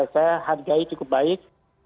saya hargai cukup baik